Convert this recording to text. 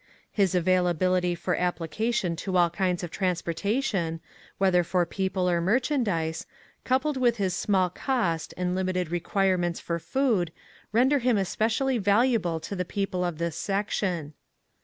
Plis availability for application to all kinds of transportation, whether for peo ple or merchandise, coupled with his small cost and limited requirements for food, render him especially valuable to the people of this section.